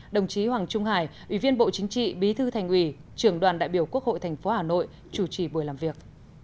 đồng chí hoàng trung hải ủy viên bộ chính trị bí thư thành ủy trưởng đoàn đại biểu quốc hội tp hà nội chủ trì buổi làm việc